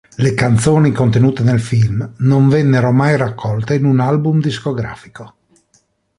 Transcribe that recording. Le canzoni contenute nel film non vennero mai raccolte in un album discografico.